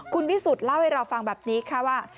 คุณวิสุทธิ์เล่าให้เราฟังแบบนี้ค่ะว่า